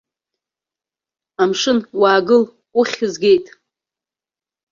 Амшын, уаагыл, уххь згеит.